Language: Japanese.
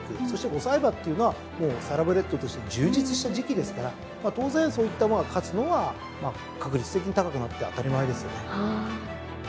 そして５歳馬っていうのはもうサラブレッドとして充実した時期ですから当然そういった馬が勝つのは確率的に高くなって当たり前ですよね。